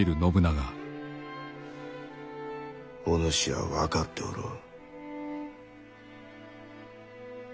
お主は分かっておろう？